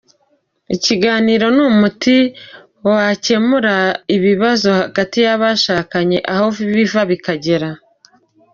Ikiganiro ni umuti wakemura ibibazo hagati y’abashakanye aho biva bikagera.